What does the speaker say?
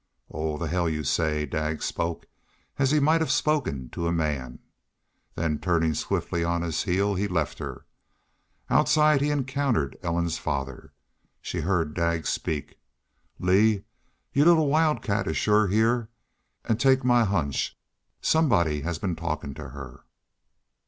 "Oh, the hell you say!" Daggs spoke as he might have spoken to a man; then turning swiftly on his heel he left her. Outside he encountered Ellen's father. She heard Daggs speak: "Lee, your little wildcat is shore heah. An' take mah hunch. Somebody has been talkin' to her."